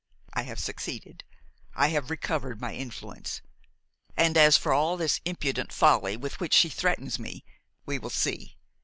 I have succeeded; I have recovered my influence; and, as for all this imprudent folly with which she threatens me, we will see!